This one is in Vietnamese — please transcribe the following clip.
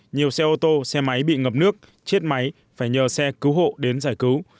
nhiều xe ô tô xe máy bị ngập nước chết máy phải nhờ xe cứu hộ đến giải cứu